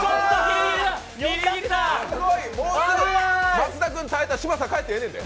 松田君、耐えた嶋佐、帰ってええねんて。